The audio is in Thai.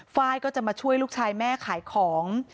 ไฟล์ก็จะมาช่วยลูกชายแม่ขายของ